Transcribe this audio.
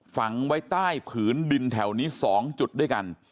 ฝังไว้ใต้ผืนดินแถวนี้๒จุดด้วยกัน